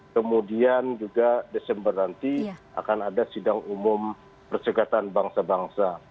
kemudian juga desember nanti akan ada sidang umum perserikatan bangsa bangsa